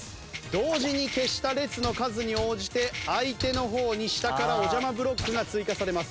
同時に消した列の数に応じて相手の方に下からおじゃまブロックが追加されます。